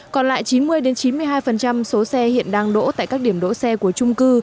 còn lại chín mươi chín mươi hai số xe hiện đang đỗ tại các điểm đỗ xe của trung cư